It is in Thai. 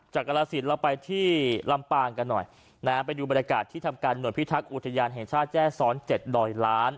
กรสินเราไปที่ลำปางกันหน่อยนะฮะไปดูบรรยากาศที่ทำการหน่วยพิทักษ์อุทยานแห่งชาติแจ้ซ้อนเจ็ดดอยล้าน